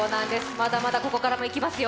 まだまだここからいきますよ。